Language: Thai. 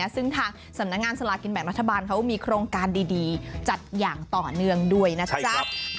ซึ่งทางสำนักงานสลากินแบ่งรัฐบาลเขามีโครงการดีจัดอย่างต่อเนื่องด้วยนะจ๊ะ